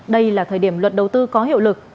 đây là thời điểm luật đầu tư có hiệu lực